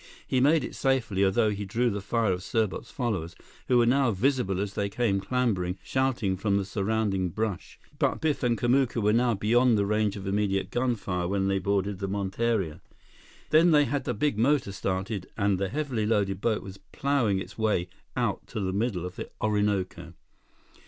He made it safely, although he drew the fire of Serbot's followers, who were now visible as they came clambering, shouting, from the surrounding brush. But Biff and Kamuka were now beyond the range of immediate gunfire when they boarded the monteria. Then they had the big motor started, and the heavily loaded boat was plowing its way out to the middle of the Orinoco.